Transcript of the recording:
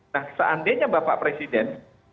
nah seandainya bapak presiden